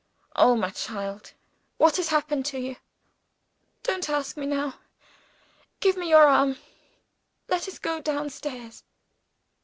"Oh, my child! what has happened to you?" "Don't ask me now. Give me your arm let us go downstairs."